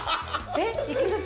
えっ？